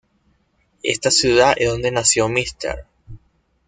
Esta ciudad es donde nació Mr.